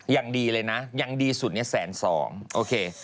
อย่างดีเลยนะยังดีสุดเนี่ยแสนสองโอเค